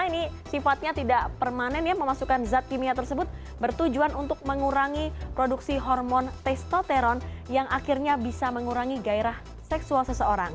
ini sifatnya tidak permanen ya memasukkan zat kimia tersebut bertujuan untuk mengurangi produksi hormon testoteron yang akhirnya bisa mengurangi gairah seksual seseorang